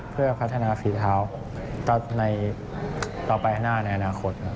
เพื่อพัฒนาฝีเท้าในต่อไปข้างหน้าในอนาคต